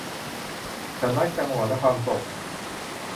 ฉันรักจังหวะและความโศก